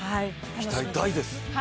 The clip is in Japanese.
期待大です。